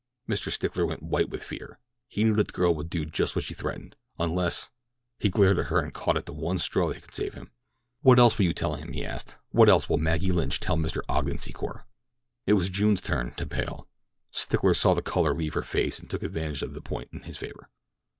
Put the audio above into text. Mr. Stickler went white with fear. He knew that the girl would do just what she threatened—unless—He glared at her and caught at the one straw that could save him. "What else will you tell him?" he asked. "What else will Maggie Lynch tell Mr. Ogden Secor?" It was June's turn to pale. Stickler saw the color leave her face and took advantage of the point in his favor.